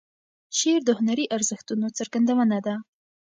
شعر د هنري ارزښتونو څرګندونه ده.